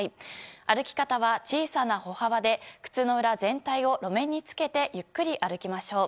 歩き方は小さな歩幅で靴の裏全体を路面につけてゆっくり歩きましょう。